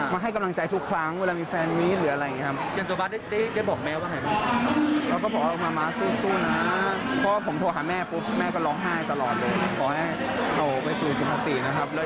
ให้กำลังใจทุกครั้งเวลามีแฟนนี้หรืออะไรอย่างนี้ครับ